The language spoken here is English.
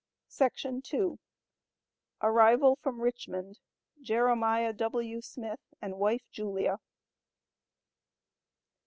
ARRIVAL FROM RICHMOND. JEREMIAH W. SMITH AND WIFE JULIA.